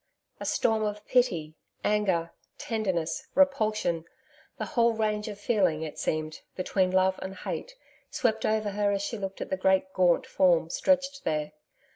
A storm of pity, anger, tenderness, repulsion the whole range of feeling, it seemed, between love and hate swept over her as she looked at the great gaunt form stretched there.